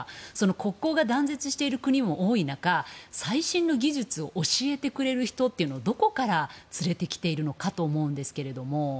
国交が断絶している国も多い中最新の技術を教えてくれる人というのはどこから連れてきているのかと思うんですけれども。